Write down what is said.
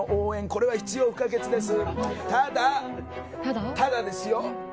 これは必要不可欠です。